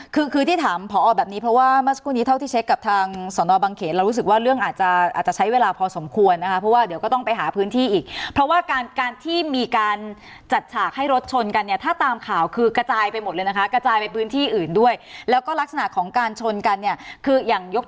คือคือที่ถามพอแบบนี้เพราะว่าเมื่อสักครู่นี้เท่าที่เช็คกับทางสอนอบังเขนเรารู้สึกว่าเรื่องอาจจะอาจจะใช้เวลาพอสมควรนะคะเพราะว่าเดี๋ยวก็ต้องไปหาพื้นที่อีกเพราะว่าการการที่มีการจัดฉากให้รถชนกันเนี่ยถ้าตามข่าวคือกระจายไปหมดเลยนะคะกระจายไปพื้นที่อื่นด้วยแล้วก็ลักษณะของการชนกันเนี่ยคืออย่างยก